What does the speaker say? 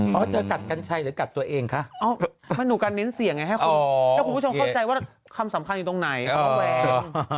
เขาเจอกัดกัญชัยหรือกัดตัวเองคะมันถูกกันเน้นเสี่ยงไงให้คุณแล้วคุณผู้ชมเข้าใจว่าคำสำคัญอยู่ตรงไหนเขาระแวง